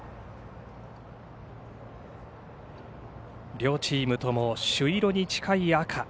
両チームとも朱色以上に近い赤。